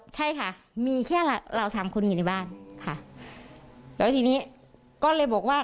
ใช่ค่ะมีแค่เราสามคนอยู่ในบ้านค่ะแล้วทีนี้ก็เลยบอกว่า